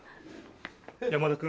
山田君。